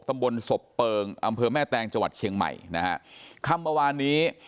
ตำบลศพเปิงอำเภอแม่แตงจังหวัดเชียงใหม่นะฮะค่ำเมื่อวานนี้